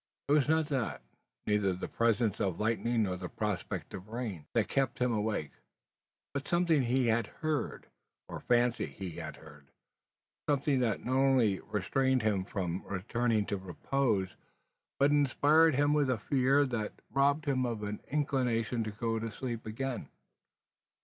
It was not that, neither the presence of the lightning nor the prospect of the rain, that kept him awake; but something he had heard, or fancied he had heard, something that not only restrained him from returning to repose, but inspired him with a fear that robbed him of an inclination to go to sleep again.